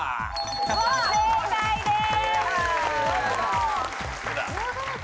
正解です。